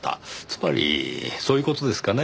つまりそういう事ですかね？